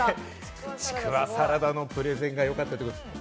ちくわサラダのプレゼンがよかったってことですね。